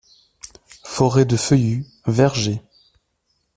Forêts de feuillus, vergers.